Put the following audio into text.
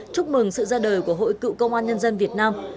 chúc mừng sự ra đời của hội cựu công an nhân dân việt nam